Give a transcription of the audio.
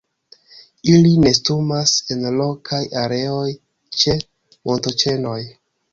Ili nestumas en rokaj areoj ĉe montoĉenoj.